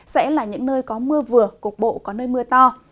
sẽ là những nơi có mưa vừa cục bộ có nơi mưa to